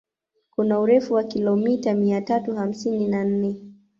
Kuna urefu wa kilomita mia tatu hamsini na nne